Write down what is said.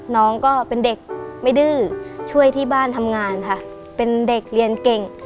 น้องก็เป็นเด็กไม่ดื้อช่วยที่บ้านทำงานค่ะเป็นเด็กเรียนเก่ง